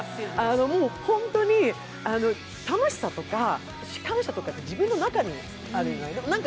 もう本当に楽しさとか感謝とかって、自分の中にあるじゃない。